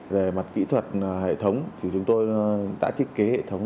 về mặt kỹ thuật hệ thống thì chúng tôi đã thiết kế hệ thống